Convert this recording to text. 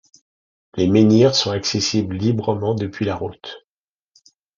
Les menhirs sont accessibles librement depuis la route.